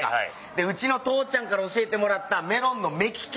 でうちの父ちゃんから教えてもらったメロンの目利き